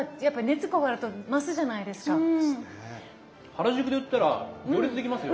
原宿で売ったら行列できますよ。